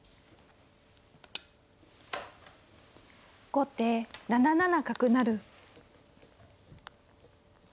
後手７七角成。